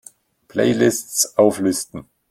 Playlists auflisten!